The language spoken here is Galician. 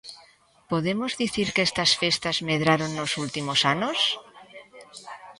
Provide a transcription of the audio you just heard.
Podemos dicir que estas festas medraron nos últimos anos?